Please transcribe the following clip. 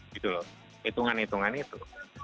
gitu loh hitungan hitungan itu